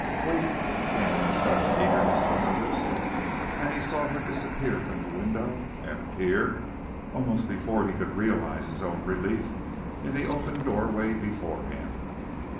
"Wait," came in sudden eagerness from her lips, and he saw her disappear from the window and appear, almost before he could realize his own relief, in the open door way before him.